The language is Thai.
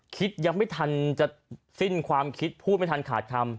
คิดยังไม่ทันจะสิ้นความคิดพูดไม่ทันขาดคำ